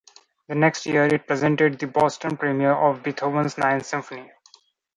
The next year it presented the Boston Premiere of Beethoven's Ninth Symphony.